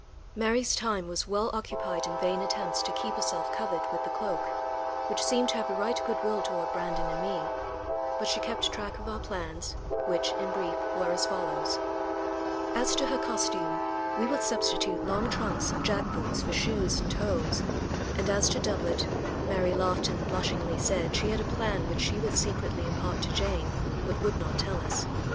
Mary's time was well occupied in vain attempts to keep herself covered with the cloak, which seemed to have a right good will toward Brandon and me, but she kept track of our plans, which, in brief, were as follows: As to her costume, we would substitute long trunks and jack boots for shoes and hose, and as to doublet, Mary laughed and blushingly said she had a plan which she would secretly impart to Jane, but would not tell us.